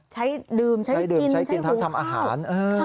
ใช้ดื่มใช้กินใช้หูข้าวใช้กินทั้งทำอาหาร